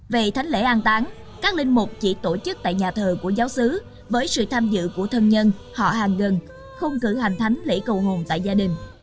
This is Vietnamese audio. về thánh lễ an tán các linh mục chỉ tổ chức tại nhà thờ của giáo sứ với sự tham dự của thân nhân họ hàng gần không cử hành thánh lễ cầu hồn tại gia đình